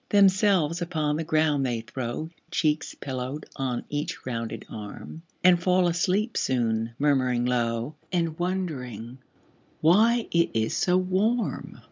Themselves upon the ground they throw, Cheeks pillowed on each rounded arm And fall asleep soon, murmuring low, And wondering "why it is so warm?"